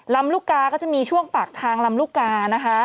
ลำรุกาก็จะมีช่วงปักทางลำรุกานะคะ